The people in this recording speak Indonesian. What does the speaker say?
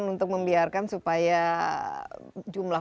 untuk membiarkan supaya jumlah